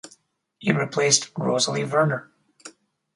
He replaced Rosalie Verner.